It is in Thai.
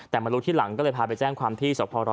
แต่มารู้ที่หลังก็เลยพาไปแจ้งความที่สพร้อย